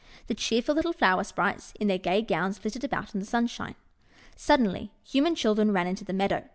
The cheerful little Flower Sprites, in their gay gowns, flitted about in the sunshine. Suddenly human children ran into the meadow.